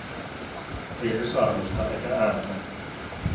Ei risahdusta eikä ääntä.